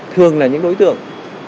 thường là những đối tượng